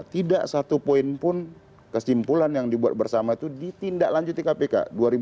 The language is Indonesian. tidak satu poin pun kesimpulan yang dibuat bersama itu ditindak lanjut di kpk